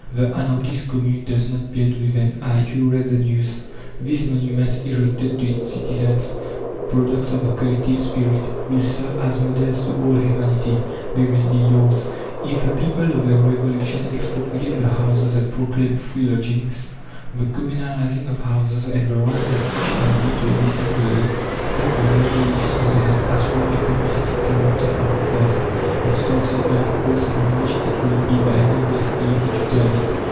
The anarchist Commune does not build with an eye to revenues. These monuments erected to its citizens, products of the collective spirit, will serve as models to all humanity; they will be yours." If the people of the Revolution expropriate the houses and proclaim free lodgings the communalizing of houses and the right of each family to a decent dwelling then the Revolution will have assumed a communistic character from the first, and started on a course from which it will be by no means easy to turn it.